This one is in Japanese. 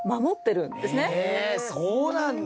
へえそうなんだ。